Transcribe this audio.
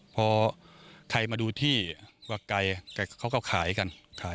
พอไปดูที่ก็เข้ามาขายกัน